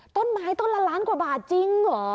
ต้นไม้ต้นละล้านกว่าบาทจริงเหรอ